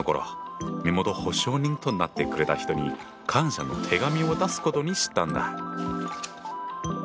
身元保証人となってくれた人に感謝の手紙を出すことにしたんだ。